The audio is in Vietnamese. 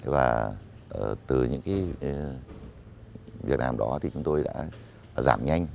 và từ những việc làm đó chúng tôi đã giảm nhanh